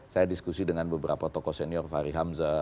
saya diskusi dengan beberapa tokoh senior fahri hamzah